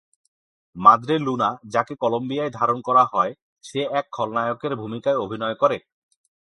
মাদ্রে Luna, যাকে কলম্বিয়ায় ধারণ করা হয়, সে এক খলনায়কের ভূমিকায় অভিনয় করে।